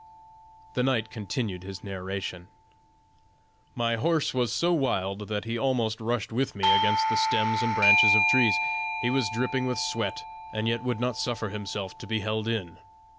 The knight continued his narration: "My horse was so wild that he almost rushed with me against the stems and branches of trees; he was dripping with sweat, and yet would not suffer himself to be held in.